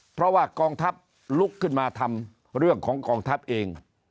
เพราะว่ากองทัพลุกขึ้นมาทำเรื่องของกองทัพเอง